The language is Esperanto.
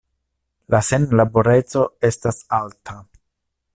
La senlaboreco estas alta.